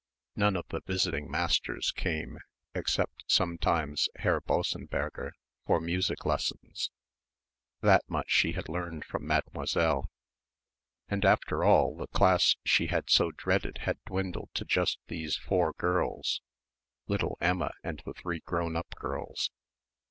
None of the visiting masters came, except, sometimes, Herr Bossenberger for music lessons that much she had learned from Mademoiselle. And, after all, the class she had so dreaded had dwindled to just these four girls, little Emma and the three grown up girls.